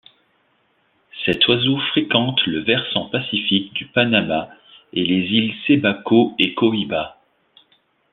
Cet oiseau fréquente le versant pacifique du Panama et les îles Cebaco et Coiba.